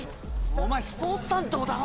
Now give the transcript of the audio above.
お前スポーツ担当だろ。